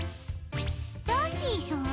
ダンディさん？